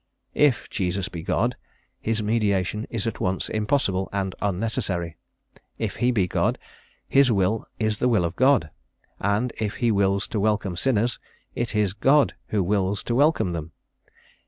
If Jesus be God, his mediation is at once impossible and unnecessary; if he be God, his will is the will of God; and if he wills to welcome sinners, it is God who wills to welcome them.